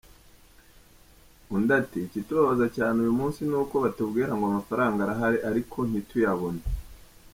Undi ati "Ikitubabaza cyane uyu munsi ni uko batubwira ngo amafaranga arahari, ariko ntituyabone.